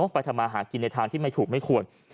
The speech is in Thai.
ไปทำมาหากินในทางที่ไม่ถูกไม่ควร